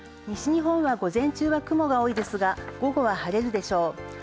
西日本は午前中は雲が多いですが、午後は晴れるでしょう。